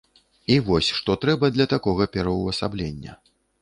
І вось што трэба для такога пераўвасаблення.